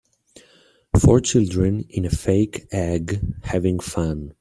Four children in a fake egg having fun.